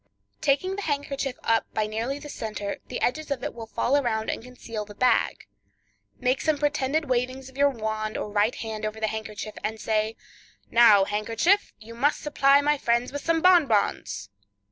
Taking the handkerchief up by nearly the center, the edges of it will fall around and conceal the bag; make some pretended wavings of your wand or right hand over the handkerchief, and say, "Now, handkerchief, you must supply my friends with some bonbons."